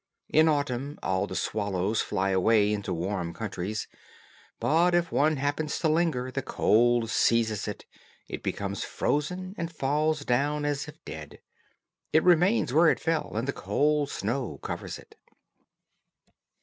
In autumn, all the swallows fly away into warm countries, but if one happens to linger, the cold seizes it, it becomes frozen, and falls down as if dead; it remains where it fell, and the cold snow covers it.